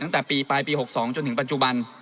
ตั้งแต่ปีปลายปี๖๒จนถึงปัจจุบัน